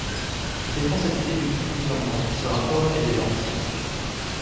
Je défends cette idée depuis plusieurs mois : ce rapport est déjà ancien.